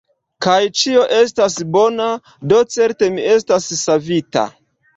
Kaj ĉio estas bona; do certe mi estas savita!